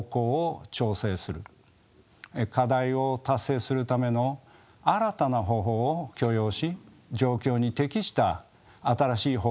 課題を達成するための新たな方法を許容し状況に適した新しい方法を創造する点です。